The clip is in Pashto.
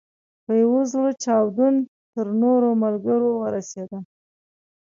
په یو زړه چاودون تر نورو ملګرو ورسېدم.